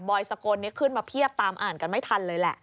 สกลขึ้นมาเพียบตามอ่านกันไม่ทันเลยแหละ